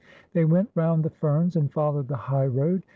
They went round the ferns, and followed the highroad.